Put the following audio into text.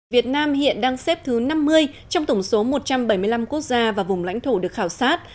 việt nam hiện đang xếp thứ năm mươi trong tổng số một trăm bảy mươi năm quốc gia và vùng lãnh thổ được khảo sát